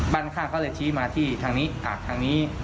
บ้านข้างเขาเลยชี้มาทางนี้ทางนี้